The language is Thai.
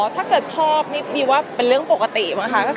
อ๋อถ้าแกชอบนี่บีวว่าเป็นเรื่องปกติเมื่อค่ะ